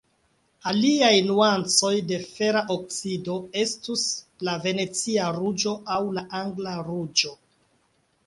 Aliaj nuancoj de fera oksido estus la Venecia ruĝo aŭ la Angla ruĝo.